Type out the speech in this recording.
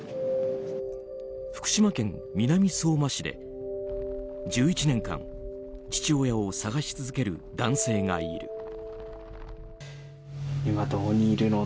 福島県南相馬市で１１年間父親を捜し続ける男性がいる。